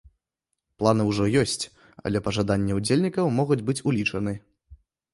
Планы ўжо ёсць, але пажаданні ўдзельнікаў могуць быць улічаны.